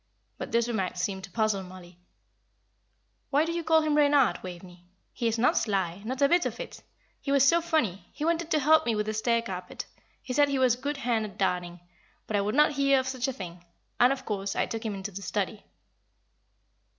But this remark seemed to puzzle Mollie. "Why do you call him Reynard, Waveney? He is not sly, not a bit of it. He was so funny. He wanted to help me with the stair carpet he said he was a good hand at darning; but I would not hear of such a thing, and, of course, I took him into the study."